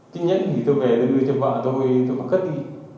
cái nhẫn thì tôi về tôi đưa cho vợ tôi tôi bắt khất đi